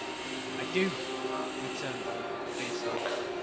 "I do," returned Luke, fiercely.